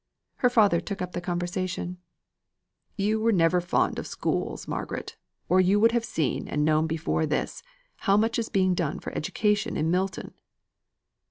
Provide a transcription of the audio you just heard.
Her father took up the conversation. "You never were fond of schools, Margaret, or you would have seen and known before this how much is being done for education in Milton."